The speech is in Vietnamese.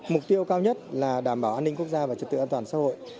mục tiêu cao nhất là đảm bảo an ninh quốc gia và trật tự an toàn xã hội